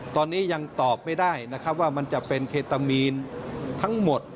ตอนนี้ยังตอบไม่ได้นะครับว่ามันจะเป็นเคตามีนทั้งหมด